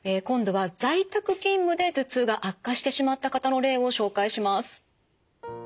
今度は在宅勤務で頭痛が悪化してしまった方の例を紹介します。